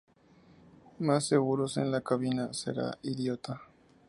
Más seguros en la cabina. Será idiota.